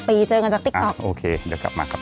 เจอกันจากติ๊กต๊อกโอเคเดี๋ยวกลับมาครับ